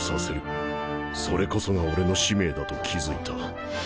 それこそが俺の使命だと気付いた。